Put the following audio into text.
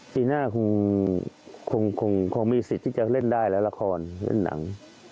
ปีหน้าคงมีสิทธิ์ที่จะเล่นได้แล้วละครเล่นหนัง